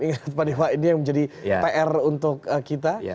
ingat pak dewa ini yang menjadi pr untuk kita